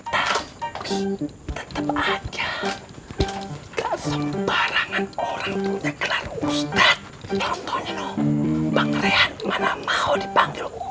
tapi tetep aja gak sembarangan orang punya kenal ustadz